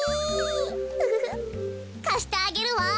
ウフフかしてあげるわ。